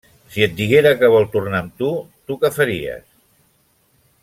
Si et diguera que vol tornar amb tu, tu què faries?